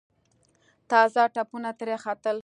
تازه تپونه ترې ختل.